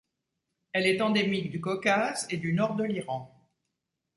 Elle est endémique du Caucase et du nord de l'Iran.